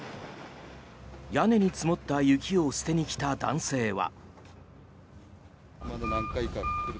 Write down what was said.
屋根に積もった雪を捨てに来た男性は。